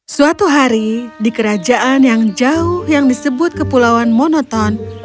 suatu hari di kerajaan yang jauh yang disebut kepulauan monoton